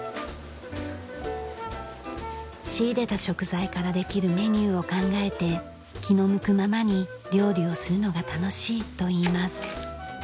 仕入れた食材からできるメニューを考えて気の向くままに料理をするのが楽しいといいます。